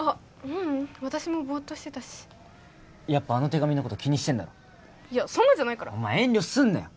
ううん私もボーッとしてたしやっぱあの手紙のこと気にしてんだろいやそんなんじゃないからお前遠慮すんなよ